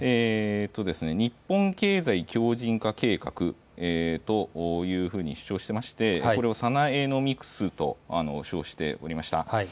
日本経済強じん化計画というふうに主張していましてこれをサナエノミクスと表しておりました。